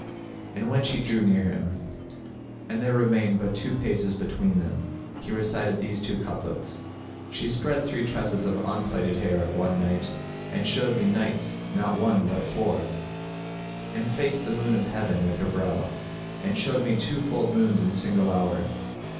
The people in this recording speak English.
And when she drew near him, and there remained but two paces between them, he recited these two couplets, "She spread three tresses of unplaited hair * One night, and showed me nights not one but four; And faced the moon of Heaven with her brow, * And showed me two fold moons in single hour."